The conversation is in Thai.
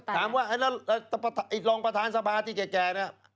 ถามว่ารองบนประทานสภาทิแจ่